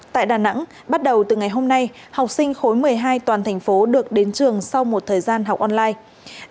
tại đà nẵng bắt đầu từ ngày hôm nay học sinh khối một mươi hai toàn thành phố được đến trường sau một thời gian học online